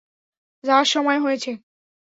যাওয়ার সময় হয়েছে।